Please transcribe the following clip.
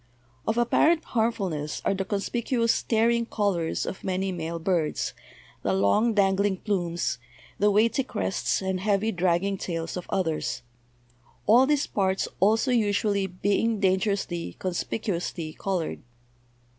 Of apparent harmfulness are the conspicuous staring colors of many male birds, the long dangling plumes, the weighty crests and heavy, dragging tails of others; all these parts also usually being dangerously, conspicuously colored.